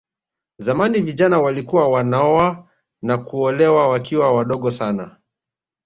Zamani vijana walikuwa wanaoa na kuolewa wakiwa wadogo sana